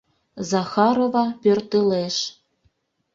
Захарова пӧртылеш.